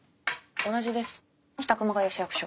同じです北熊谷市役所。